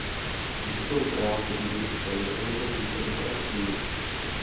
Výkon práv jednotlivce je omezen výkonem práv jiných.